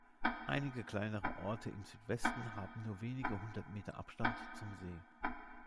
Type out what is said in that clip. Einige kleinere Orte im Südwesten haben nur wenige hundert Meter Abstand zum See.